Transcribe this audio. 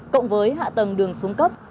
cộng với hạ tầng đường xuống cấp